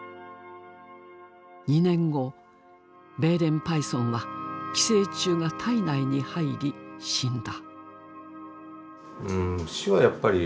２年後ベーレンパイソンは寄生虫が体内に入り死んだ。